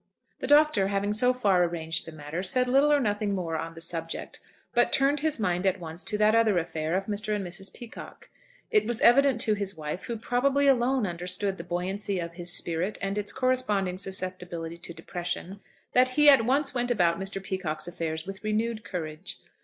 The Doctor, having so far arranged the matter, said little or nothing more on the subject, but turned his mind at once to that other affair of Mr. and Mrs. Peacocke. It was evident to his wife, who probably alone understood the buoyancy of his spirit and its corresponding susceptibility to depression, that he at once went about Mr. Peacocke's affairs with renewed courage.